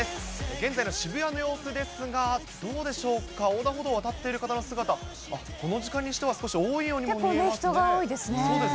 現在の渋谷の様子ですが、どうでしょうか、横断歩道、渡っている方の姿、この時間にしては、少し多いようにも見えます